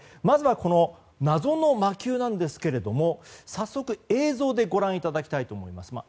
まずは、謎の魔球なんですが早速、映像でご覧いただきたいと思います。